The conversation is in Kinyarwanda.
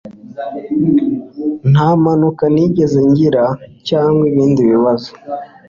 Nta mpanuka nigeze ngira cyangwa ibindi bibazo.